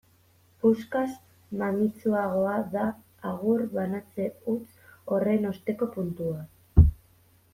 Puskaz mamitsuagoa da agur banatze huts horren osteko puntua.